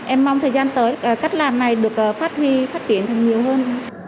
em mong thời gian tới các làm này được phát huy phát biến thêm nhiều hơn